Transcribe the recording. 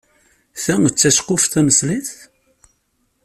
Ta d taceqquft taneṣlit?